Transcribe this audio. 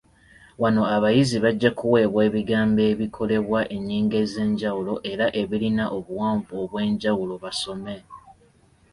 Wano abayizi bajja kuweebwa ebigambo ebikolebwa ennyingo ez’enjawulo era ebirina obuwanvu obw’enjawulo basome